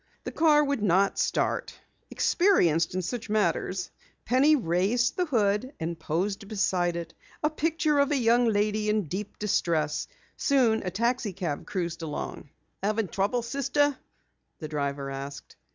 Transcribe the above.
The car would not start. Experienced in such matters, Penny raised the hood and posed beside it, a picture of a young lady in deep distress. Soon a taxi cab cruised along. "Having trouble, sister?" the driver asked.